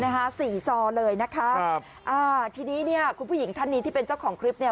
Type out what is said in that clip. นะคะสี่จอเลยนะคะครับอ่าทีนี้เนี่ยคุณผู้หญิงท่านนี้ที่เป็นเจ้าของคลิปเนี่ย